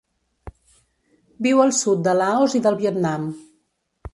Viu al sud de Laos i del Vietnam.